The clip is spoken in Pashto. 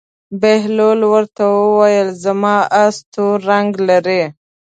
بهلول ورته وویل: زما اس تور رنګ لري.